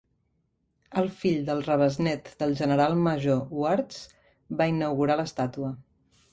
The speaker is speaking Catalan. El fill del rebesnét del general major Wards va inaugurar l"estàtua.